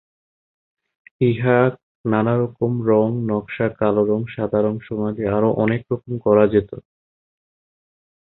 ইহা নানারকম রং, নকশা, কালো রং, সাদা, সোনালী আরো অনেক রকম করা যেত।